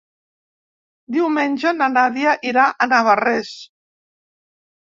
Diumenge na Nàdia irà a Navarrés.